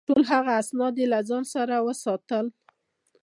ټول هغه اسناد یې له ځان سره وساتل.